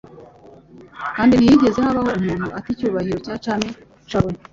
Kandi ntihigeze habaho umuntu Ate icyubahiro cya cyami nca we,